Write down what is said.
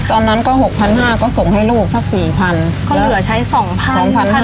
ตอนนั้นก็หกพันห้าก็ส่งให้ลูกสักสี่พันก็เหลือใช้สองพันสองพันห้า